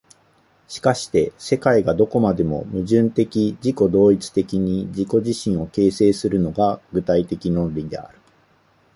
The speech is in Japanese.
しかして世界がどこまでも矛盾的自己同一的に自己自身を形成するのが、具体的論理である。